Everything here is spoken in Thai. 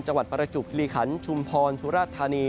จังหวัดประจุบหลีคันชุมพรสุรราธานี